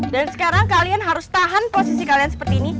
dan sekarang kalian harus tahan posisi kalian seperti ini